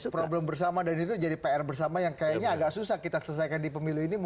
problem bersama dan itu jadi pr bersama yang kayaknya agak susah kita selesaikan di pemilu ini